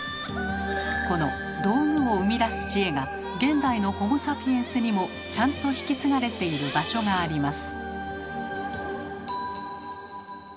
この道具を生み出す知恵が現代のホモ・サピエンスにもちゃんと引き継がれている場所があります。